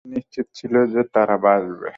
সে নিশ্চিত ছিল যে তারা বাঁচবে।